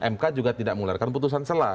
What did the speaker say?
mk juga tidak mengularkan putusan salah